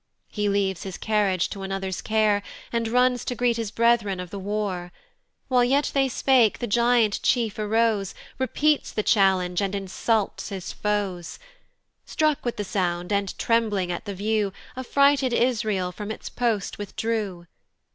He leaves his carriage to another's care, And runs to greet his brethren of the war. While yet they spake the giant chief arose, Repeats the challenge, and insults his foes: Struck with the sound, and trembling at the view, Affrighted Israel from its post withdrew.